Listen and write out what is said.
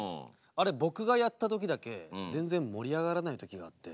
あれ僕がやった時だけ全然盛り上がらない時があって。